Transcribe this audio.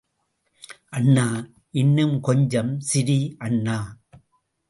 அண்ணா, இன்னும் கொஞ்சம் சிரி அண்ணா...!